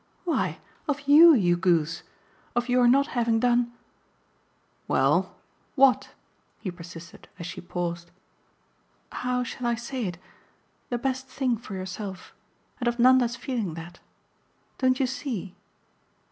"Why, of YOU, you goose. Of your not having done " "Well, what?" he persisted as she paused. "How shall I say it? The best thing for yourself. And of Nanda's feeling that. Don't you see?"